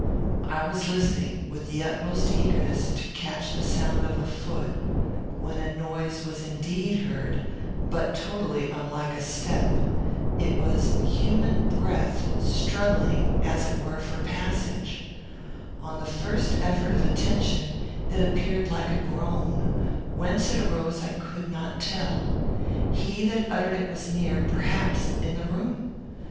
I was listening with the utmost eagerness to catch the sound of a foot, when a noise was indeed heard, but totally unlike a step. It was human breath struggling, as it were, for passage. On the first effort of attention, it appeared like a groan. Whence it arose I could not tell. He that uttered it was near; perhaps in the room.